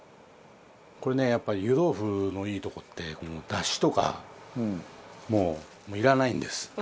これね、湯豆腐のいいとこってだしとか、いらないんです。